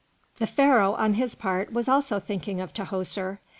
The Pharaoh, on his part, was also thinking of Tahoser.